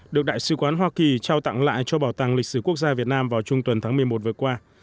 được đại sứ quán hoa kỳ trao tặng lại cho bảo tàng lịch sử quốc gia việt nam vào trung tuần tháng một mươi một vừa qua